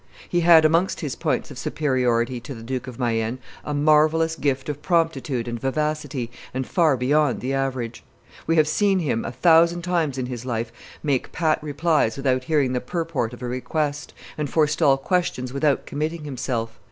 He had, amongst his points of superiority to the Duke of Mayenne, a marvellous gift of promptitude and vivacity, and far beyond the average. We have seen him, a thousand times in his life, make pat replies without hearing the purport of a request, and forestall questions without committing himself.